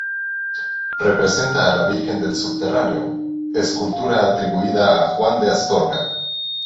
Representa a la Virgen del Subterráneo, escultura atribuida a Juan de Astorga.